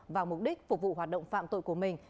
vào mục đích phục vụ hoạt động phạm tội của mình